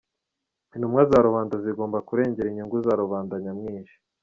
Intumwa za rubanda zigomba kurengera inyungu za rubanda nyamwinshi.